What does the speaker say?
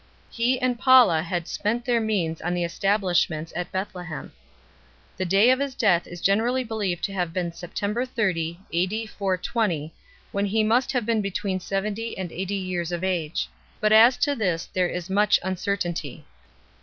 He and Paulla had spent their means on the establishments at Bethle hem. The day of his death is generally believed to have been Sept. 30, A.D. 420, when he must have been between seventy and eighty years of age 4 . But as to this there is much uncertainty.